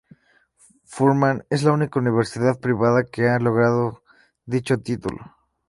Furman es la única universidad privada que ha logrado dicho título.